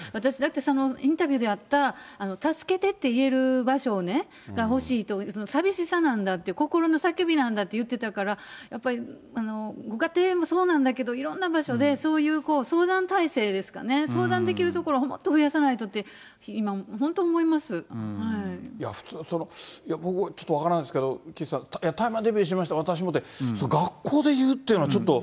私、インタビューであった、助けてって言える場所が欲しいと、寂しさなんだって、心の叫びなんだって言ってたから、やっぱり、ご家庭もそうなんだけどいろんな場所でそういう相談体制ですかね、相談できるところ、本当、増やさないとって、今、普通、ちょっと分からないんですけど、岸さん、大麻デビューしました、私もって、学校で言うっていうのは、ちょっと。